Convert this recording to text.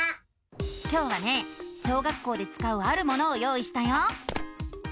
今日はね小学校でつかうあるものを用意したよ！